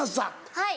はい。